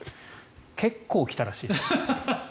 結構、来たらしいです。